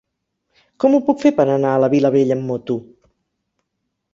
Com ho puc fer per anar a la Vilavella amb moto?